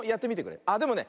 あでもね